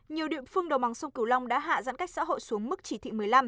nhiều địa phương đồng bằng sông cửu long đã hạ giãn cách xã hội xuống mức chỉ thị một mươi năm